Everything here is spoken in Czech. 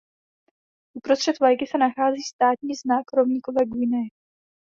Uprostřed vlajky se nachází státní znak Rovníkové Guiney.